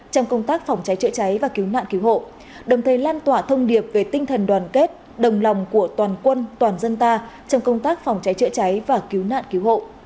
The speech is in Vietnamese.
đồng thời lan tỏa thông điệp về tinh thần đoàn kết đồng lòng của toàn quân toàn dân ta trong công tác phòng cháy chữa cháy và cứu nạn cứu hộ